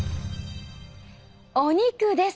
お肉です。